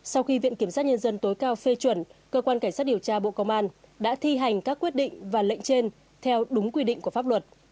sau khi viện kiểm sát nhân dân tối cao phê chuẩn cơ quan cảnh sát điều tra bộ công an đã thi hành các quyết định và lệnh trên theo đúng quy định của pháp luật